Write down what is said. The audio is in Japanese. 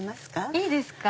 いいですか？